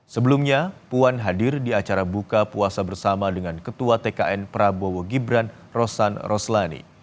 sebelumnya puan hadir di acara buka puasa bersama dengan ketua tkn prabowo gibran rosan roslani